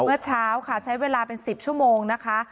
เมื่อเช้าค่ะใช้เวลาเป็น๑๐ชั่วโมงนะคะ